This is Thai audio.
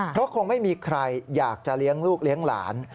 เพราะคงไม่มีใครอยากจะเลี้ยงลูกเลี้ยงหลาน